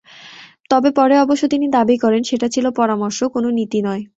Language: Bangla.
তবে পরে অবশ্য তিনি দাবি করেন, সেটা ছিল পরামর্শ, কোনো নীতি নয়।